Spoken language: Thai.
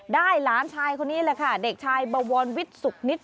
ได้หลานชายคนนี้แหละค่ะเด็กชายบรรวณวิธสุขนิท